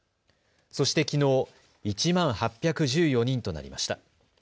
そしてきのう、１万８１４人となりました。